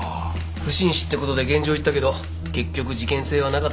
不審死って事で現場行ったけど結局事件性はなかったんだ。